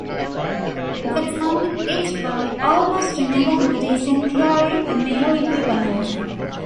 The term "It boy", almost never heard, is in theory the male equivalent.